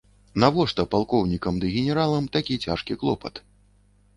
Навошта палкоўнікам ды генералам такі цяжкі клопат?